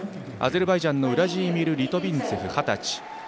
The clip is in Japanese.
アゼルバイジャンのウラジーミル・リトビンツェフ二十歳。